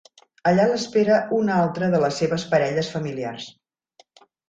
Allà l'espera una altra de les seves parelles familiars.